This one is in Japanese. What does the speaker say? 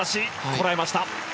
こらえました！